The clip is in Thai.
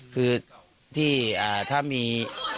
คือถ้ามี